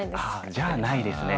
じゃあないですね。